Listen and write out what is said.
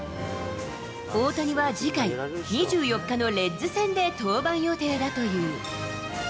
大谷は次回、２４日のレッズ戦で登板予定だという。